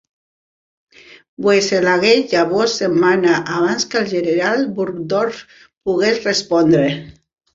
Boeselager llavors se'n va anar abans que el General Burgdorf pogués respondre.